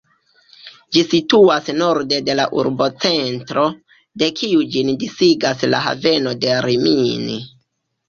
Ĝi situas norde de la urbocentro, de kiu ĝin disigas la haveno de Rimini.